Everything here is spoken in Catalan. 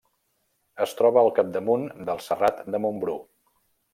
Es troba al capdamunt del Serrat de Montbrú.